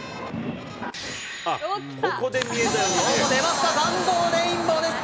出ました、弾道レインボーです。